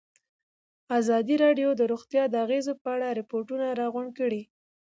ازادي راډیو د روغتیا د اغېزو په اړه ریپوټونه راغونډ کړي.